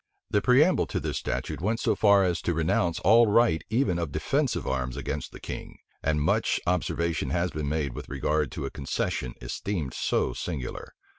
The preamble to this statute went so far as to renounce all right even of defensive arms against the king; and much observation has been made with regard to a concession esteemed so singular.